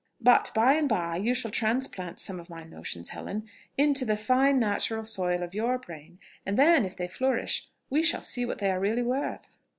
But by and by you shall transplant some of my notions, Helen, into the fine natural soil of your brain; and then, if they flourish, we shall see what they are really worth."